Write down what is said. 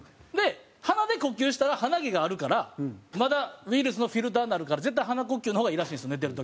鼻で呼吸したら鼻毛があるからまだウイルスのフィルターになるから絶対鼻呼吸の方がいいらしいんです寝てる時。